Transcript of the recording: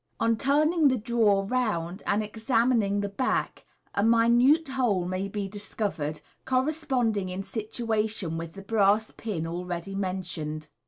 On turn in gr the drawer o round, and examining the back, a minute hole may be discovered, corresponding in situation with the brass pin already mentioned.